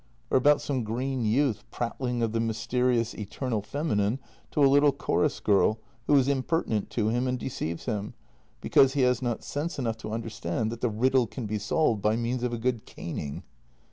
Or about some green youth, prattling of the mysterious eternal feminine to a little chorus girl who is im pertinent to him and deceives him, because he has not sense enough to understand that the riddle can be solved by means of a good caning."